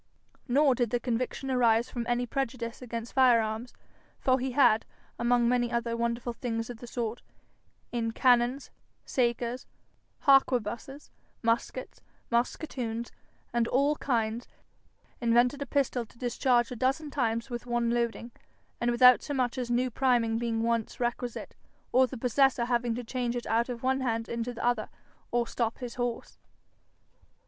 Nor did the conviction arise from any prejudice against fire arms, for he had, among many other wonderful things of the sort, in cannons, sakers, harquebusses, muskets, musquetoons, and all kinds, invented a pistol to discharge a dozen times with one loading, and without so much as new priming being once requisite, or the possessor having to change it out of one hand into the other, or stop his horse.